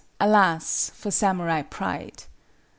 alas for samurai pride!